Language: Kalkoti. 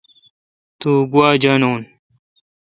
تو گوا جانون۔